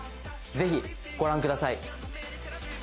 ぜひご覧ください。